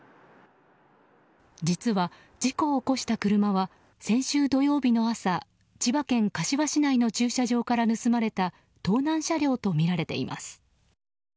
実は、事故を起こした車は先週土曜日の朝千葉県柏市内の駐車場から盗まれた盗難車両とみられています。